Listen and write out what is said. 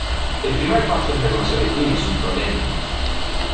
El primer paso es reconocer que tienes un problema.